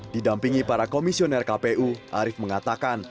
didampingi para komisioner kpu arief mengatakan